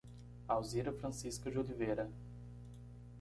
Alzira Francisca de Oliveira